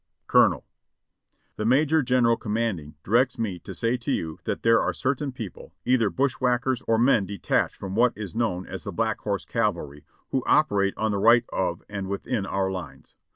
"Colonel : "The Major General commanding directs me to say to you that there are certain people, either bushwhackers or men detached from what is known as the Black Horse Cavalry, who operate on the right of and within our lines.